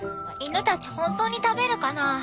犬たち本当に食べるかな。